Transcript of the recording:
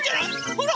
ほら！